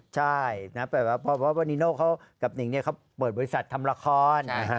ใช่แบบว่านิโน่เขากับนิงเขาเปิดบริษัททำละคร